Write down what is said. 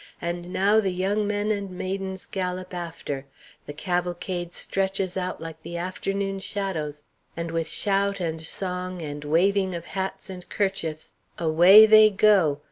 And now the young men and maidens gallop after; the cavalcade stretches out like the afternoon shadows, and with shout and song and waving of hats and kerchiefs, away they go!